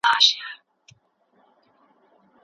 په ټولنه کي د شعوري انسانانو شتون ډېر اړين دی.